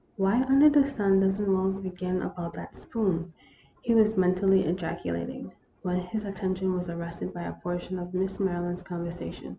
Why under the sun doesn't Wells begin about that spoon ? he was mentally ejaculating, when his attention was arrested by a portion of Miss Maryland's conversation.